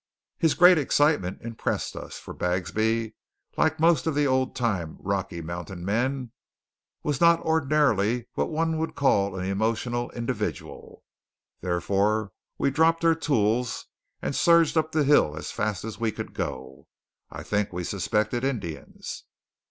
His great excitement impressed us, for Bagsby, like most of the old time Rocky Mountain men, was not ordinarily what one would call an emotional individual. Therefore we dropped our tools and surged up the hill as fast as we could go. I think we suspected Indians.